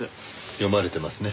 読まれてますね。